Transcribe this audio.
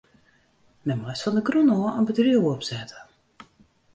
Men moast fan de grûn ôf in bedriuw opsette.